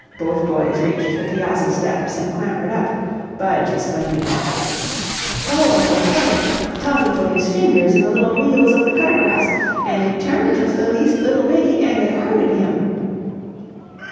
Both boys reached the piazza steps, and clambered up, Budge exclaiming: "O, Uncle Harry, Toddie put his fingers in the little wheels of the cutter grass, an' it turned just the least little biddie, an' it hurted him."